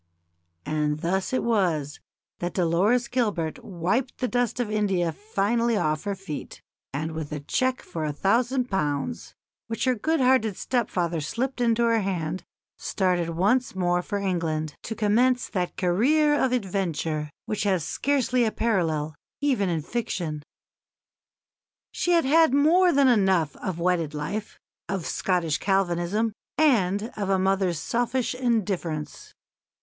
And thus it was that Dolores Gilbert wiped the dust of India finally off her feet, and with a cheque for a thousand pounds, which her good hearted stepfather slipped into her hand, started once more for England, to commence that career of adventure which has scarcely a parallel even in fiction. She had had more than enough of wedded life, of Scottish Calvinism, and of a mother's selfish indifference.